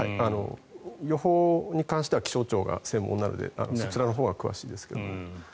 予報に関しては気象庁が専門なのでそちらのほうが詳しいですけど。